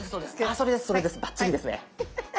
それですそれですバッチリですね。